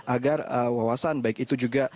agar wawasan baik itu juga